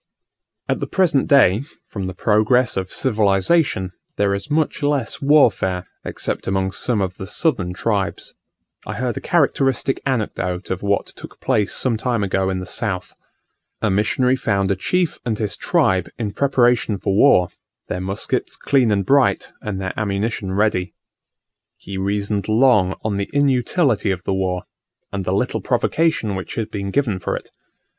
At the present day, from the progress of civilization, there is much less warfare, except among some of the southern tribes. I heard a characteristic anecdote of what took place some time ago in the south. A missionary found a chief and his tribe in preparation for war; their muskets clean and bright, and their ammunition ready. He reasoned long on the inutility of the war, and the little provocation which had been given for it.